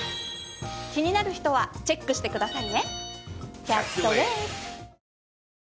気になる人はチェックしてくださいね！